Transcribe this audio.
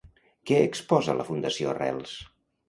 Què exposa la fundació Arrels?